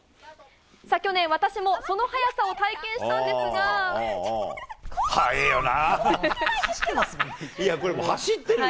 去年私も、その速さを体験したん速いよな。